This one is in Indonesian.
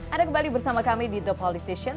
ada kembali bersama kami di the politician